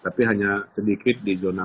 tapi hanya sedikit di zona